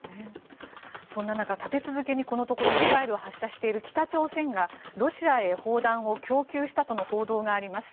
そんな中、立て続けにこのところミサイルを発射している北朝鮮がロシアへ砲弾を供給したとの報道があります。